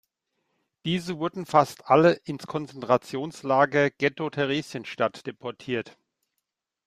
Diese wurden fast alle ins Konzentrationslager Ghetto Theresienstadt deportiert.